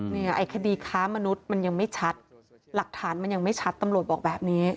ไอ้คดีค้ามนุษย์มันยังไม่ชัดหลักฐานมันยังไม่ชัดตำรวจบอกแบบนี้